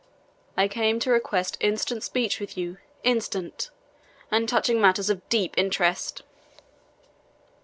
"I come to request instant speech with you instant and touching matters of deep interest."